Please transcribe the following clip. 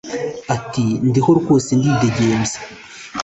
Ati “Ndiho rwose ndidegembya